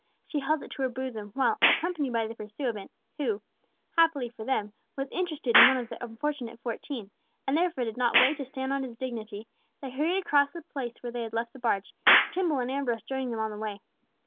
She held it to her bosom, while, accompanied by the pursuivant, who—happily for them—was interested in one of the unfortunate fourteen, and therefore did not wait to stand on his dignity, they hurried across to the place where they had left the barge—Tibble and Ambrose joining them on the way.